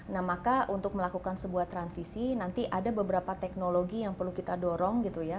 nah maka untuk melakukan sebuah transisi nanti ada beberapa teknologi yang perlu kita dorong gitu ya